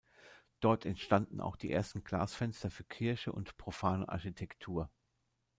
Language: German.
Dort entstanden auch die ersten Glasfenster für Kirche und profane Architektur.